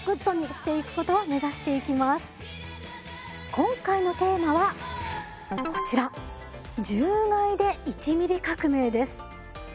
今回のテーマはこちら「獣害」で１ミリ革命です。